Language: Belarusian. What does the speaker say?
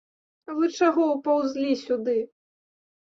Вы чаго ўпаўзлі сюды?